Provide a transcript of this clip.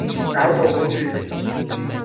攪到好亂